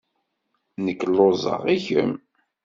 Nekk lluẓeɣ. I kemm?